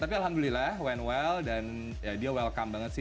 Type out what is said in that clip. tapi alhamdulillah went well dan dia welcome banget sih